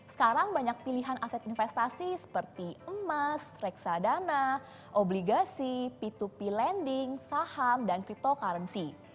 sekarang banyak pilihan aset investasi seperti emas reksadana obligasi p dua p lending saham dan cryptocurrency